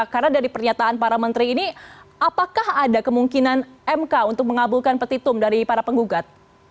karena dari pernyataan para menteri ini apakah ada kemungkinan mk untuk mengabulkan petitum dari para penggugat